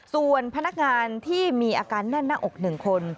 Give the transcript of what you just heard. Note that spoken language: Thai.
ส่วนพนักงานที่มีอาการแน่นหน้าอก๑คน